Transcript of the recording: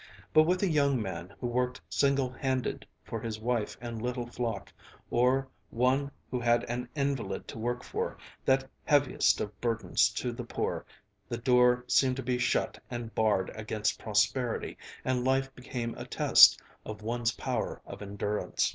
But with a young man who worked single handed for his wife and a little flock, or one who had an invalid to work for, that heaviest of burdens to the poor, the door seemed to be shut and barred against prosperity, and life became a test of one's power of endurance.